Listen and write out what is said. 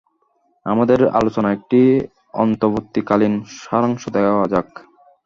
আমাদের আলোচনার একটি অন্তর্বর্তীকালীন সারাংশ দেওয়া যাক।